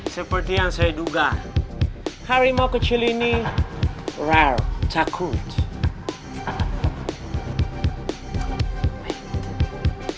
seperti yang ditanyakaniley harimau kecil ini jarang ter gorong